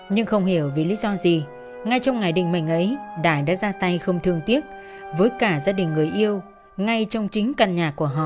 nhưng không hiểu vì lý do gì ngay trong ngày định mệnh ấy đại đã ra tay không thương tiếc với cả gia đình người yêu ngay trong chính căn nhà của họ